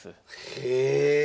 へえ！